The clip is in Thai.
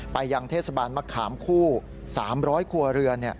ไปยังเทศบาลมะขามคู่๓๐๐ครัวเรือน